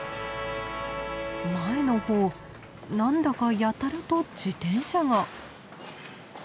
前の方何だかやたらと自転車が。